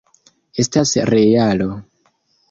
Estas realo.